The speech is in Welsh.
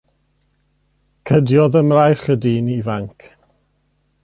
Cydiodd ym mraich y dyn ifanc.